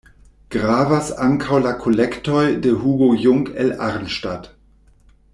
Gravas ankaŭ la kolektoj de Hugo Jung el Arnstadt.